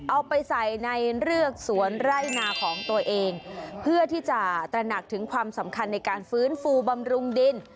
เอาไปใส่ในเรือกสวนไร่นาของตัวเองเพื่อที่จะตระหนักถึงความสำคัญในการฟื้นฟูบำรุงดิน